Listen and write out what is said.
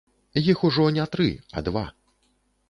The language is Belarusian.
Іх ужо не тры, а два.